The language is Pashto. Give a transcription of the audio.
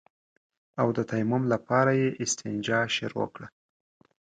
او د تيمم لپاره يې استنجا شروع کړه.